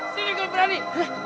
sini kalau berani